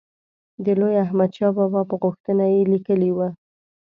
د لوی احمدشاه بابا په غوښتنه یې لیکلی.